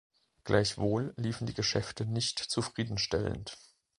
Gleichwohl liefen die Geschäfte nicht zufriedenstellend.